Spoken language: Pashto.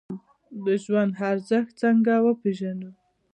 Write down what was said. د ژوند ارزښت څنګه وپیژنو؟